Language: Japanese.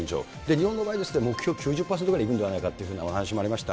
日本の場合、目標９０％ぐらい行くんではないかというお話もありました。